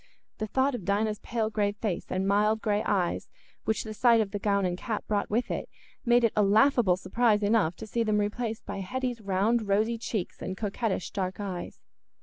The thought of Dinah's pale grave face and mild grey eyes, which the sight of the gown and cap brought with it, made it a laughable surprise enough to see them replaced by Hetty's round rosy cheeks and coquettish dark eyes.